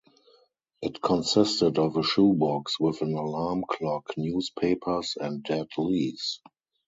It consisted of a shoe box with an alarm clock, newspapers and dead leaves.